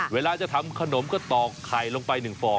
เวลาจะทำขนมก็ตอกไข่ลงไป๑ฟอง